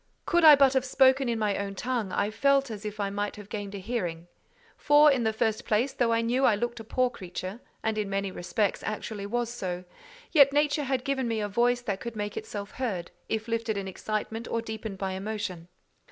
Could I but have spoken in my own tongue, I felt as if I might have gained a hearing; for, in the first place, though I knew I looked a poor creature, and in many respects actually was so, yet nature had given me a voice that could make itself heard, if lifted in excitement or deepened by emotion.